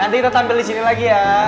nanti kita tampil di sini lagi ya